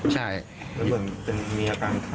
ใช่